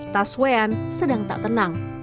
tas weyan sedang tak tenang